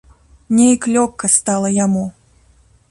Нейк лёгка стала яму.